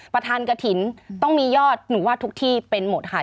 ประธานกระถิ่นต้องมียอดหนูว่าทุกที่เป็นหมดค่ะ